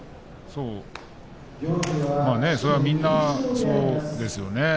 それは、みんなそうですよね。